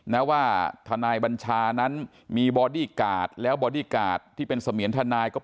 นะว่าทนายบัญชานั้นมีบอดี้การ์ดแล้วบอดี้การ์ดที่เป็นเสมียนทนายก็